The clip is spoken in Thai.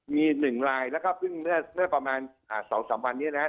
มี๑ลายแล้วก็เพิ่งเมื่อประมาณ๒๓วันนี้นะครับ